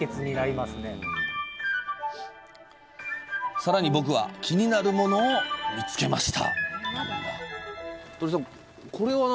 さらに僕は気になるものを見つけました！